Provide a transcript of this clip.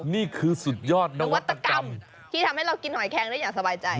นี่คือสุดยอดนะนวัตกรรมที่ทำให้เรากินหอยแคงได้อย่างสบายใจ